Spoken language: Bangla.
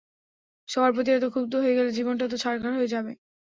সবার প্রতি এতো ক্ষুব্ধ হয়ে গেলে জীবনটা তো ছারখার হয়ে যাবে।